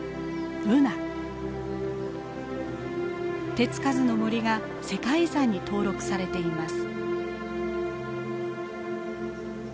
手付かずの森が世界遺産に登録されています。